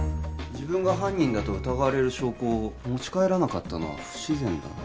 自分が犯人だと疑われる証拠を持ち帰らなかったのは不自然だな